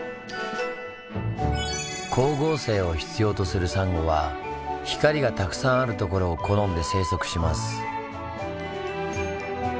光合成を必要とするサンゴは光がたくさんあるところを好んで生息します。